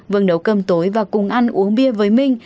vâng nấu cơm tối và cùng ăn uống bia với minh